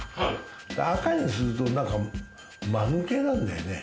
でも赤にすると、なんかマヌケなんだよね。